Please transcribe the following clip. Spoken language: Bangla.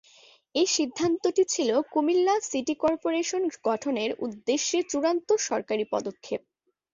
এই সিদ্ধান্তটি ছিল কুমিল্লা সিটি কর্পোরেশন গঠনের উদ্দেশ্যে চূড়ান্ত সরকারি পদক্ষেপ।